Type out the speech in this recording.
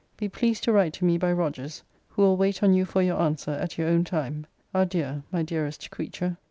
Be pleased to write to me by Rogers; who will wait on you for your answer, at your own time. Adieu, my dearest creature.